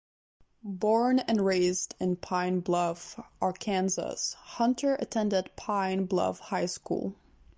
Born and raised in Pine Bluff, Arkansas, Hunter attended Pine Bluff High School.